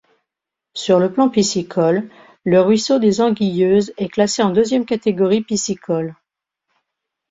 Sur le plan piscicole, le ruisseau des Anguilleuses est classé en deuxième catégorie piscicole.